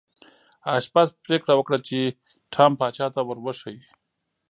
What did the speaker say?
آشپز پریکړه وکړه چې ټام پاچا ته ور وښيي.